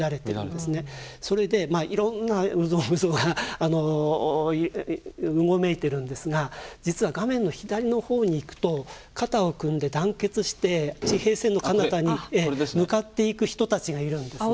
それでいろんな有象無象がうごめいてるんですが実は画面の左のほうにいくと肩を組んで団結して地平線のかなたに向かっていく人たちがいるんですね。